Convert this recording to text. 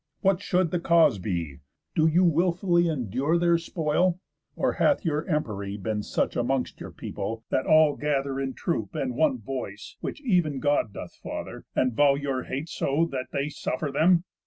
What should the cause be? Do you wilfully Endure their spoil? Or hath your empery Been such amongst your people, that all gather In troop, and one voice (which ev'n God doth father) And vow your hate so, that they suffer them?